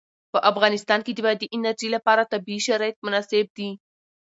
په افغانستان کې د بادي انرژي لپاره طبیعي شرایط مناسب دي.